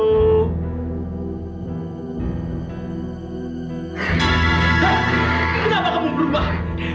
eh kenapa kamu berubah